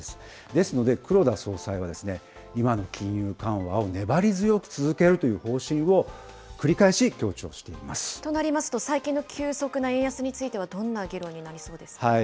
ですので、黒田総裁は、今の金融緩和を粘り強く続けるという方針を繰り返し強調していまとなりますと、最近の急速な円安については、どんな議論になりそうですか。